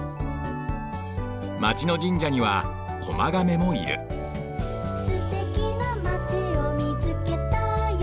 まちの神社には狛亀もいる「すてきなまちをみつけたよ」